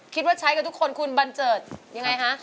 คิดว่าใช้กันทุกคนคุณบันเจิดยังไงฮะ